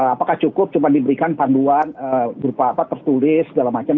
apakah cukup cuma diberikan panduan berupa apa tertulis segala macam